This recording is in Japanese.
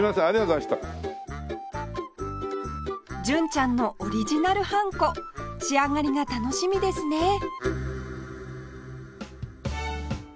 純ちゃんのオリジナルハンコ仕上がりが楽しみですね